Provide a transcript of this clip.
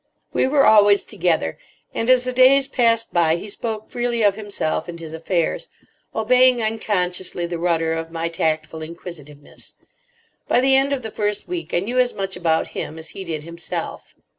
We were always together; and as the days passed by he spoke freely of himself and his affairs, obeying unconsciously the rudder of my tactful inquisitiveness. By the end of the first week I knew as much about him as he did himself.